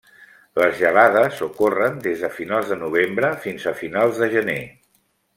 Les gelades ocorren des de finals de novembre fins a finals de gener.